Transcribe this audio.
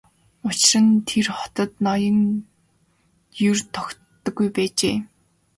Учир нь тэр хотод ноён ер тогтдоггүй байжээ.